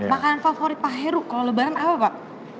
makanan favorit pak heru kalau lebaran apa pak